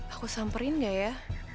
aku samberin enggak ya